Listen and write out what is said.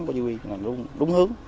của chỉ huy đúng hướng